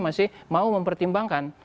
masih mau mempertimbangkan